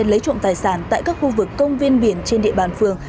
lấy trộm tài sản tại các khu vực công viên biển trên địa bàn phường